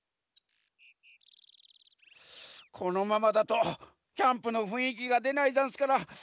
このままだとキャンプのふんいきがでないざんすから。